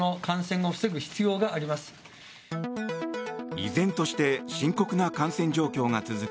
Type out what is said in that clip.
依然として深刻な感染状況が続く